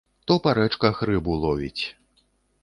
То па рэчках рыбу ловіць.